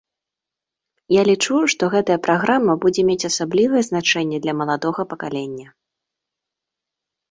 Я лічу, што гэтая праграма будзе мець асаблівае значэнне для маладога пакалення.